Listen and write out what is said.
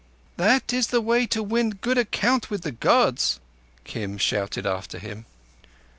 "That is the way to win a good account with the Gods," Kim shouted after him.